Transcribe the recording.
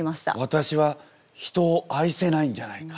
「私は人を愛せないんじゃないか？」